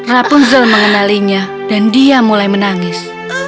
rapunzel mengenalinya dan dia mulai menangis